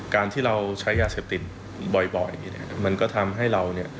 การที่เราใช้ยาเสพติดบ่อยมันก็ทำให้เรา